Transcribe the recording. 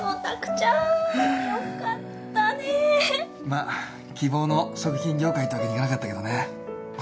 まあ希望の食品業界ってわけにいかなかったけどね。